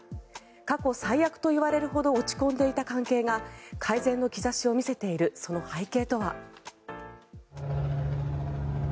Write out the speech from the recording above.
過去最悪といわれるほど落ち込んでいた関係が改善の兆しを見せているその背景とは。